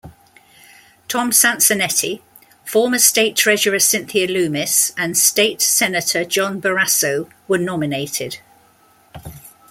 Tom Sansonetti, former state Treasurer Cynthia Lummis, and State Senator John Barrasso were nominated.